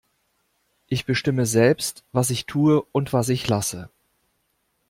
Ich bestimme selbst, was ich tue und was ich lasse.